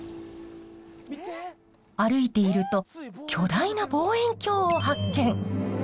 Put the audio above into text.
歩いていると巨大な望遠鏡を発見！